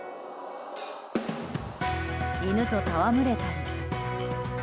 犬と戯れたり。